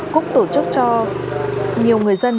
cúc tổ chức cho nhiều người dân